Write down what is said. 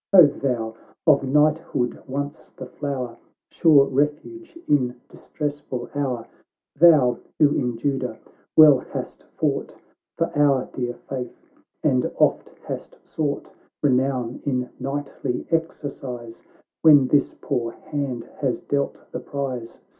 " O thou, of knighthood once the flower, Sure refuge in distressful hour, Thou, who in Judah well hast fought For our dear faith, and oft hast sought Renown in knightly exercise, "When this poor hand has dealt the prize.